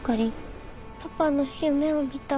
パパの夢を見た。